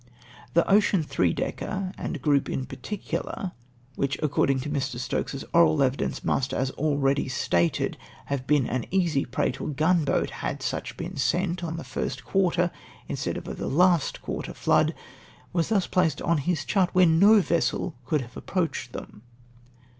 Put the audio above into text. Tlie Oceati three decker, and group in particular, which, according to Mr. Stokes's oral evidence, must, as already stated, have been an easy prey to a gunboat liad such been sent on the first quarter instead of the last quarter flood, was thus placed on his chart where no vessel could have approached them